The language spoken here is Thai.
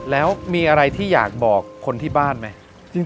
แล้วมีอะไรที่อยากบอกคนที่บ้านไหม